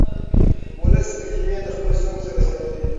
ولس کلمې د خپل ذوق سره سموي.